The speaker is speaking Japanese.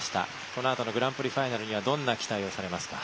このあとのグランプリファイナルにはどんな期待をされますか？